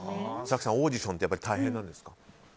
早紀さん、オーディションってやっぱり大変なんですか？